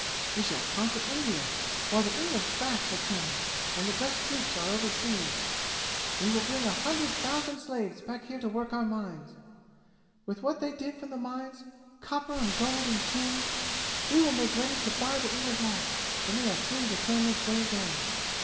We shall conquer India while the English backs are turned and the best troops are oversea. We will bring a hundred thousand slaves back here to work our mines! With what they dig from the mines, copper and gold and tin, we will make ready to buy the English off when they are free to turn this way again.